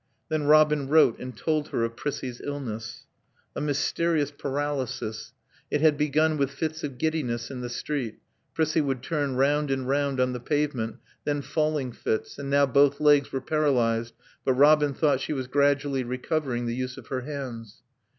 Then Robin wrote and told her of Prissie's illness. A mysterious paralysis. It had begun with fits of giddiness in the street; Prissie would turn round and round on the pavement; then falling fits; and now both legs were paralyzed, but Robin thought she was gradually recovering the use of her hands.